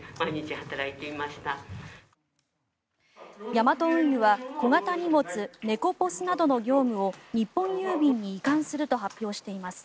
ヤマト運輸は小型荷物ネコポスなどの業務を日本郵便に移管すると発表しています。